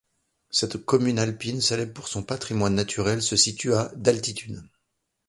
Cette commune alpine, célèbre pour son patrimoine naturel, se situe à d'altitude.